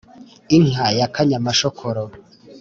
inka ya kanyamashokoro